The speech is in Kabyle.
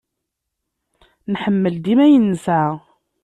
Nḥemmel dima ayen nesεa.